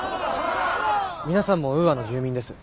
皆さんもウーアの住民です。